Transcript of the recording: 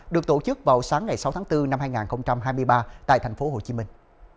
được tổ chức vào sáng ngày sáu tháng bốn năm hai nghìn hai mươi ba tại thành phố hồ chí minh